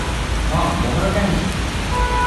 ହଁ ମୋହର କାହିଁ?